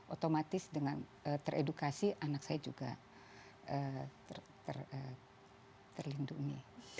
otomatis dengan teredukasi anak saya juga terlindungi